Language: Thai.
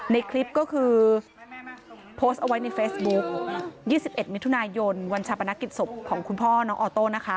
ในคลิปก็คือโพสต์เอาไว้ในเฟซบุ๊ค๒๑มิถุนายนวันชาปนกิจศพของคุณพ่อน้องออโต้นะคะ